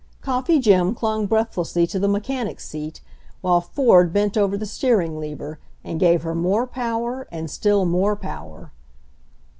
Coffee Jim clung breathlessly to the mechanic's seat, while Ford bent over the steering lever and gave her more power, and still more power.